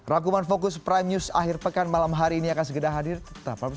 rakyat kuman fokus prime news akhir pekan malam hari ini akan segera hadir tetap bersama kami